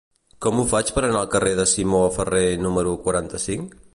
Com ho faig per anar al carrer de Simó Ferrer número quaranta-cinc?